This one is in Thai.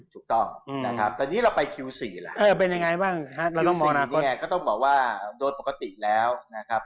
ถูกต้องนะครับตอนนี้เราไปคิว๔ล่ะคิว๔เนี่ยก็ต้องบอกว่าโดดปกติแล้วนะครับ